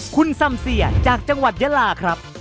คุณซัมเสียจากจังหวัดยาลาครับ